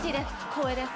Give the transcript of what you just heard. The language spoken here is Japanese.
光栄です。